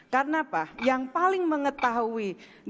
karena apa yang paling mengetahui